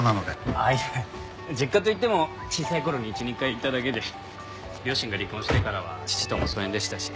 あっいえ実家といっても小さい頃に１２回行っただけで両親が離婚してからは父とも疎遠でしたし。